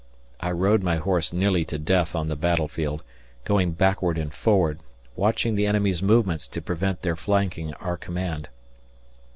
I rode my horse nearly to death on the battlefield, going backward and forward, watching the enemy's movements to prevent their flanking our command.